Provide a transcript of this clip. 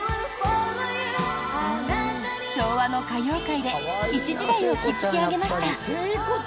昭和の歌謡界で一時代を築き上げました。